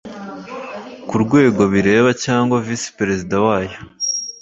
Ku rwego bireba cyangwa visi perezida wayo